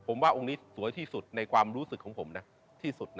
ผมว่าองค์นี้สวยที่สุดในความรู้สึกของผมนะที่สุด